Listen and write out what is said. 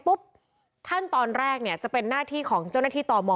ขั้นตอนแรกเนี่ยจะเป็นหน้าที่ของเจ้าหน้าที่ตม